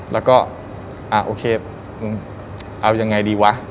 แล้วก็โอเคเอายังไงดีวะ